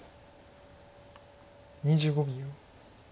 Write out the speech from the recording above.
２５秒。